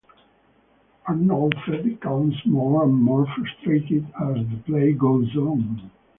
Arnolphe becomes more and more frustrated as the play goes on.